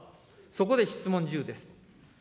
そこで質問１０です。